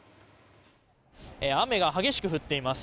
雨が激しく降っています。